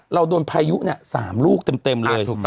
เราโดนพายุ๓ลูกเต็มเลย